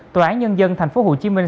tòa án nhân dân thành phố hồ chí minh